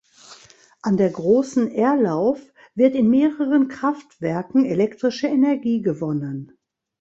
An der „Großen Erlauf“ wird in mehreren Kraftwerken elektrische Energie gewonnen.